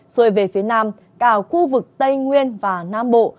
xuôi về phía nam cả khu vực tây nguyên và nam bộ